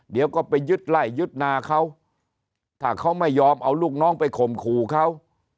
เดี๋ยวก็ไปยึดไล่ยึดนาเขาถ้าเขาไม่ยอมเอาลูกน้องไปข่มขู่เขา